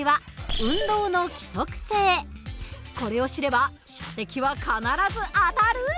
これを知れば射的は必ず当たる！